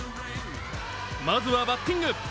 まずはバッティング。